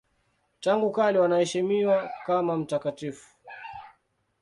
Tangu kale wanaheshimiwa kama mtakatifu.